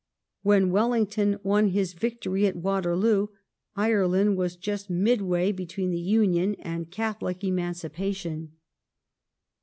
When Wellington won his victory at Waterloo, Ireland was just midway between the Union and Catholic Emancipation.